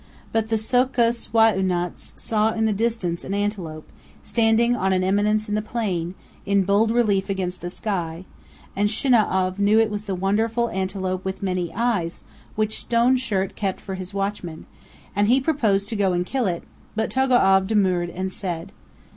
But the So'kus Wai'unats saw in the distance an antelope, standing on an eminence in the plain, in bold relief against the sky; and Shinau'av knew it was the wonderful antelope with many eyes which Stone Shirt kept for his watchman; and he proposed to go and kill it, but Togo'av demurred and said: 308 CANYONS OF THE COLORADO.